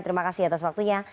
terima kasih atas waktunya